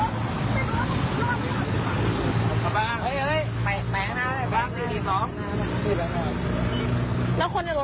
อะไรทำไมขีดรถอย่างนี้อ่ะค่ะ